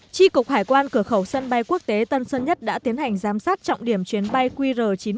tri cục hải quan cửa khẩu sân bay quốc tế tân sơn nhất đã tiến hành giám sát trọng điểm chuyến bay qr chín trăm bảy mươi